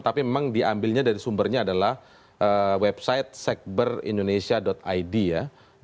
tapi memang diambilnya dari sumbernya adalah website sekberindonesia id ya